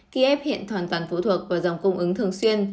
kiev hiện hoàn toàn phụ thuộc vào dòng cung ứng thường xuyên